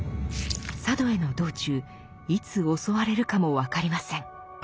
佐渡への道中いつ襲われるかも分かりません。